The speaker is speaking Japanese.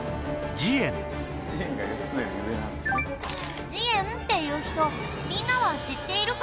慈円っていう人みんなは知っているかな？